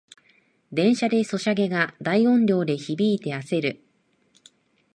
電車でソシャゲが大音量で響いてあせる